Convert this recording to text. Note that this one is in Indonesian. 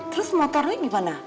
terus motornya gimana